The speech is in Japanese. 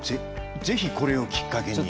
ぜひこれをきっかけに。